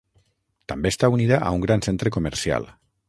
També està unida a un gran centre comercial.